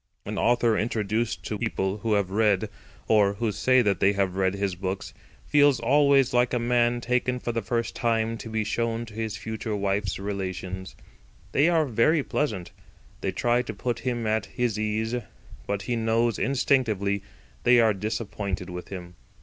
An author introduced to people who have read—or who say that they have read—his books, feels always like a man taken for the first time to be shown to his future wife's relations. They are very pleasant. They try to put him at his ease. But he knows instinctively they are disappointed with him.